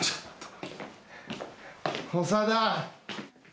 長田。